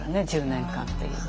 １０年間っていう。